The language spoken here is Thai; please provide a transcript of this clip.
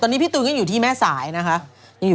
ตอนนี้พี่ตูนก็อยู่ที่แม่สายนะคะ